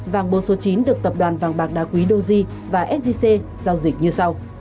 vàng bộ số chín được tập đoàn vàng bạc đa quý doji và stc giao dịch như sau